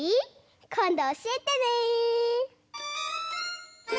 こんどおしえてね。